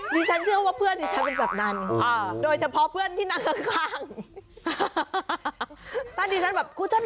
ดีฉันเชื่อว่าเพื่อนนี้ฉันเป็นแบบนั้น